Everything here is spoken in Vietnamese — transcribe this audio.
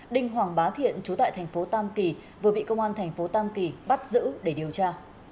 đinh hoàng bá thiện chú tại thành phố tam kỳ vừa bị công an thành phố tam kỳ bắt giữ để điều tra